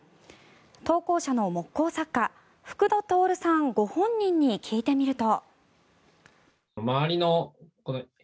投稿者の木工作家、福田亨さんご本人に聞いてみると。